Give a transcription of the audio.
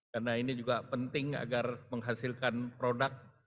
karena ini juga penting agar menghasilkan produk